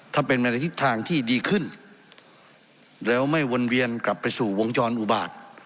ถ้าเป็นไปในทิศทางที่ดีขึ้นแล้วไม่วนเวียนกลับไปสู่วงจรอุบาต